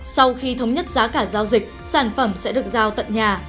sau khi thống nhất giá cả giao dịch sản phẩm sẽ được giao tận nhà